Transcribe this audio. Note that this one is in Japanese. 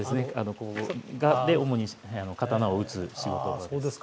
ここが主に刀を打つ仕事場です。